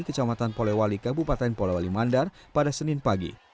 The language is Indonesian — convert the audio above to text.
kecamatan polewali kabupaten polewali mandar pada senin pagi